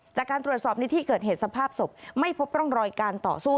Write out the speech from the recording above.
จากการตรวจสอบในที่เกิดเหตุสภาพศพไม่พบร่องรอยการต่อสู้